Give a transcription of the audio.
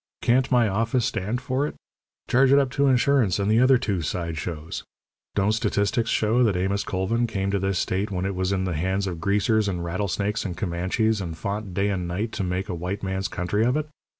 Can't my office stand for it? Charge it up to Insurance and the other two sideshows. Don't Statistics show that Amos Colvin came to this state when it was in the hands of Greasers and rattlesnakes and Comanches, and fought day and night to make a white man's country of it?